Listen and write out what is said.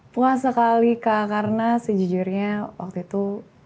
puas sekali kak karena sejujurnya waktu itu